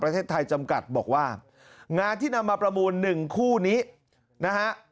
ประเทศไทยจำกัดบอกว่างานที่นำมาประมูล๑คู่นี้นะฮะ